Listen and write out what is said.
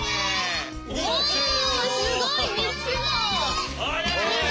すごい！